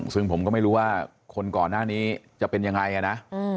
ซึ่งผมก็ไม่รู้ว่าคนก่อนหน้านี้จะเป็นยังไงนะ